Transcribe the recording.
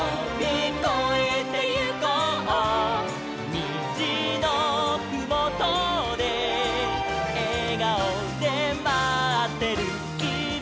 「にじのふもとでえがおでまってるきみがいる」